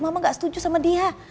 mama gak setuju sama dia